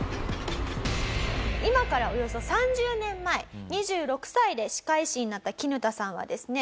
今からおよそ３０年前２６歳で歯科医師になったキヌタさんはですね